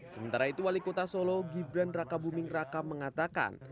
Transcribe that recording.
sementara itu wali kota solo gibran raka buming raka mengatakan